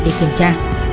để kiểm tra